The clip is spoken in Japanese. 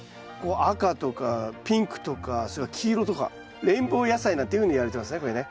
赤とかピンクとかそれから黄色とかレインボー野菜なんていうふうにいわれてますねこれね。